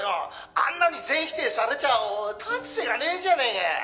あんなに全否定されちゃ立つ瀬がねえじゃねえか」